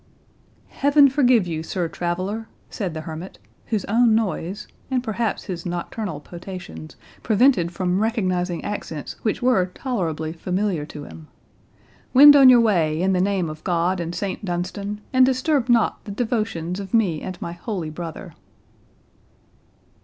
"Heaven forgive you, Sir Traveller!" said the hermit, whose own noise, and perhaps his nocturnal potations, prevented from recognising accents which were tolerably familiar to him—"Wend on your way, in the name of God and Saint Dunstan, and disturb not the devotions of me and my holy brother."